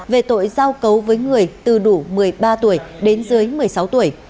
về tội giao cấu với người từ đủ một mươi ba tuổi đến dưới một mươi sáu tuổi